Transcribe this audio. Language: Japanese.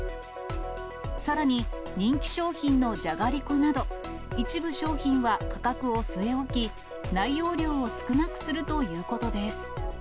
さらに、人気商品のじゃがりこなど、一部商品は価格を据え置き、内容量を少なくするということです。